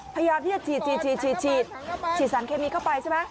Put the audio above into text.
พยายามที่จะฉีดฉีดสารเคมีเข้าไปใช่ไหม